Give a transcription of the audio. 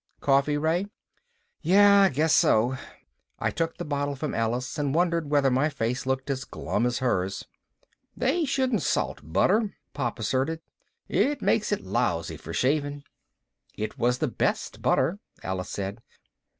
"Coffee, Ray?" "Yeah, I guess so." I took the bottle from Alice and wondered whether my face looked as glum as hers. "They shouldn't salt butter," Pop asserted. "It makes it lousy for shaving." "It was the best butter," Alice said.